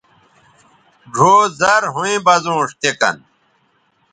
ڙھؤ زرھویں بزونݜ تے کن